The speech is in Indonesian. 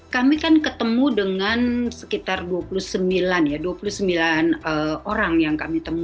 kami kan ketemu dengan sekitar dua puluh sembilan orang